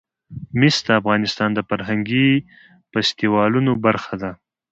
مس د افغانستان د فرهنګي فستیوالونو برخه ده.